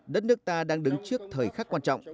đất nước ta đang đứng trước thời khắc quan trọng